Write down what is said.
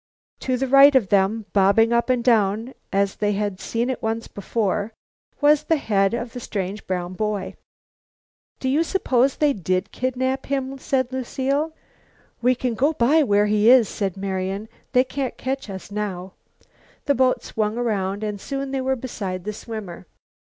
To the right of them, bobbing up and down as they had seen it once before, was the head of the strange brown boy. "Do you suppose they did kidnap him?" said Lucile. "We can go by where he is," said Marian. "They can't catch us now." The boat swung round and soon they were beside the swimmer.